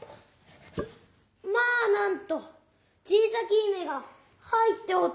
「まあなんと小さき姫が入っておった！」。